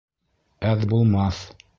Әҙ булмаҫ.